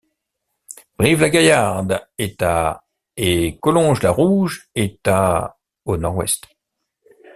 Brive-la-Gaillarde est à et Collonges-la-Rouge est à au nord-ouest.